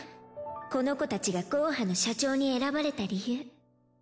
この子たちがゴーハの社長に選ばれた理由。